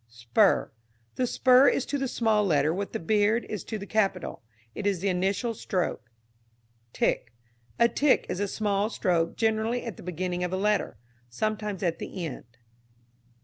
Spur. The spur is to the small letter what the beard is to the capital. It is the initial stroke. Tick. A tick is a small stroke generally at the beginning of a letter, sometimes at the end.